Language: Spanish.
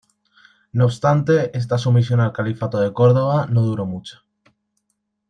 No obstante, esta sumisión al califato de Córdoba no duró mucho.